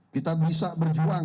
kita bisa berjuang